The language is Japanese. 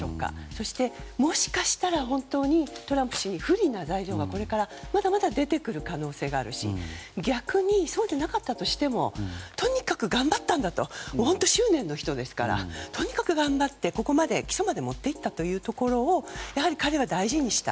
そして、もしかしたら本当にトランプ氏に不利な材料がまだまだ出てくる可能性があるし逆にそうでなかったとしてもとにかく頑張ったんだと本当、執念の人ですからとにかく頑張ってここまで起訴まで持っていったというところを彼は大事にした。